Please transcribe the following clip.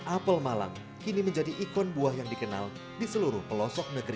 apel malang kini menjadi ikon buah yang dikenal di seluruh pelosok negeri